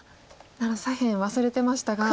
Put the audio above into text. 左辺忘れてましたが。